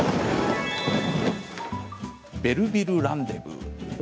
「ベルヴィル・ランデブー」。